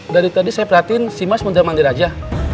dari tadi saya perhatiin si mas menjelma andiraja